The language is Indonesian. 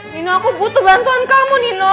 nino aku butuh bantuan kamu nino